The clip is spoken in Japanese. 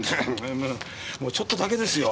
もうちょっとだけですよ。